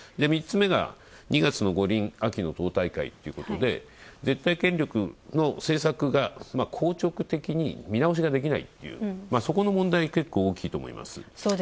３つ目が２月の五輪、秋の党大会ということで絶対権力の政策が硬直的に見直しができないという、そこの問題、結構、大きいと思います。